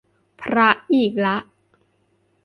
พระอีกละ